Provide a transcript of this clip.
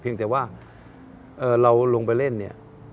แต่ว่าเราลงไปเล่นเนี่ย